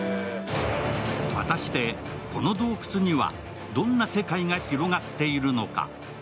果たしてこの洞窟にはどんな世界が広がっているのか。